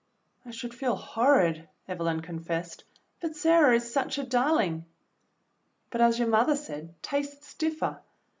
^" "I should feel horrid," Evelyn confessed, "but Sarah is such a darling." "But as your mother said, 'tastes differ.'